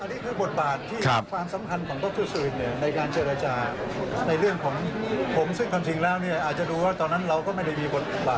อันนี้คือบทบาทที่ความสำคัญของรถตู้สื่อในการเจรจาในเรื่องของผมซึ่งความจริงแล้วเนี่ยอาจจะดูว่าตอนนั้นเราก็ไม่ได้มีบทบาท